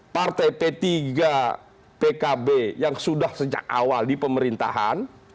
partai p tiga pkb yang sudah sejak awal di pemerintahan